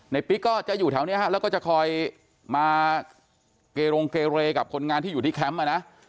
ปิ๊กก็จะอยู่แถวนี้ฮะแล้วก็จะคอยมาเกรงเกเรกับคนงานที่อยู่ที่แคมป์อ่ะนะ